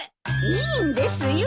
いいんですよ。